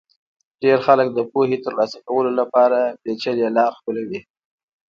ډېر خلک د پوهې ترلاسه کولو لپاره پېچلې لار خپلوي.